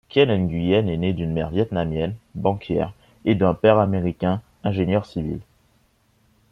Kien Nguyen est né d'une mère vietnamienne, banquière et d'un père américain, ingénieur civil.